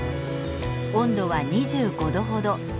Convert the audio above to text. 温度は２５度ほど。